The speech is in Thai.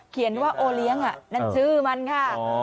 เขียนว่าโอเลี้ยงนั่นชื่อมันค่ะ